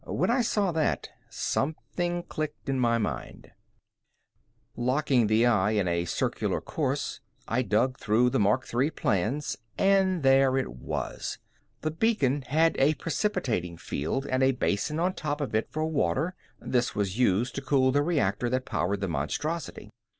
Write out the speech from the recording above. When I saw that, something clicked in my mind. Locking the eye in a circular course, I dug through the Mark III plans and there it was. The beacon had a precipitating field and a basin on top of it for water; this was used to cool the reactor that powered the monstrosity.